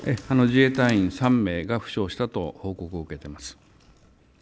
自衛隊員３名が負傷したと報告を受けています。